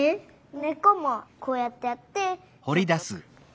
ねっこもこうやってやってとっとく。